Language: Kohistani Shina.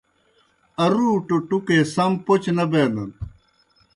ارُوٹُوْ ٹُکے سم پوْچہ نہ بینَن۔